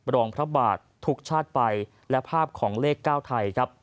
รองพระบาททุกชาติไปและภาพของเลข๙ไทยครับ